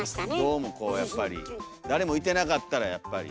どうもこうやっぱり誰もいてなかったらやっぱり。